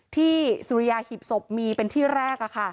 สุริยาหีบศพมีเป็นที่แรก